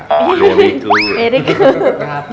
โดนอีกคือ